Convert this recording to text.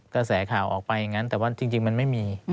กระแสข่าวออกไปอย่างนั้นแต่ว่าจริงมันไม่มี